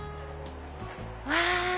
うわ！